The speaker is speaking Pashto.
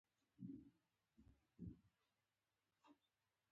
علي ته دې خدای د خاورو خوله خاصه کړي په هېڅ نه مړېږي.